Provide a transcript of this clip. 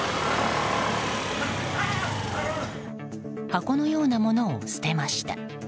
箱のようなものを捨てました。